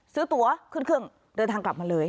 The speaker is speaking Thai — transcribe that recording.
ซื้อตัวขึ้นเครื่องเดินทางกลับมาเลย